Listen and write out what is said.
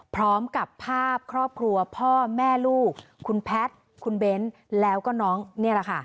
พร้อมกับภาพครอบครัวพ่อแม่ลูกคุณแพทย์คุณเบ้นแล้วก็น้องนี่แหละค่ะ